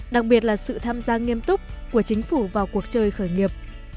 đặc biệt là sự tham gia nghiêm túc của chính phủ vào cuộc chơi khởi nghiệp